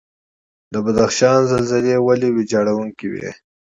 د بدخشان زلزلې ولې ویجاړونکې وي؟